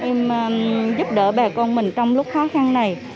em giúp đỡ bà con mình trong lúc khó khăn này